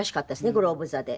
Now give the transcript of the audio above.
グローブ座で。